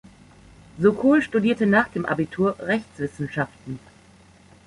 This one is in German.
Sokol studierte nach dem Abitur Rechtswissenschaften.